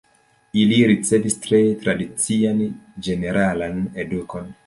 Ili ricevis tre tradician ĝeneralan edukon.